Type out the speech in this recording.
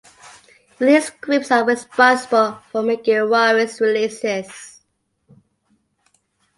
Release groups are responsible for making warez releases.